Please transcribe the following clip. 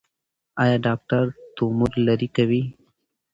ایا ډاکټر تومور لرې کوي؟